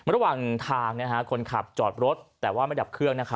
ระหว่างทางคนขับจอดรถแต่ว่าไม่ดับเครื่อง